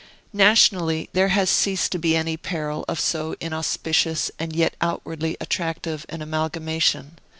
Nationally, there has ceased to be any peril of so inauspicious and yet outwardly attractive an amalgamation.